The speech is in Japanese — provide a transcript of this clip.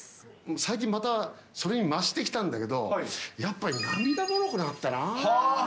最近また、それにましてきたんだけど、やっぱり涙もろくなったな。